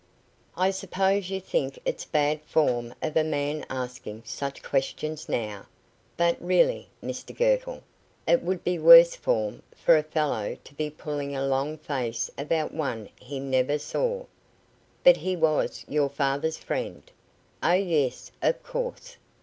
"I suppose you think it's bad form of a man asking such questions now; but really, Mr Girtle, it would be worse form for a fellow to be pulling a long face about one he never saw." "But he was your father's friend." "Oh, yes, of course."